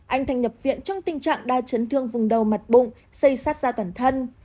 anh thành nhập viện trong tình trạng đa chấn thương vùng đầu mặt bụng xây sát da toàn thân